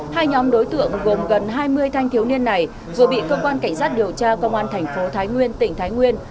hai nhóm đối tượng gồm gần hai mươi thanh thiếu niên này vừa bị cơ quan cảnh sát điều tra công an thành phố thái nguyên tỉnh thái nguyên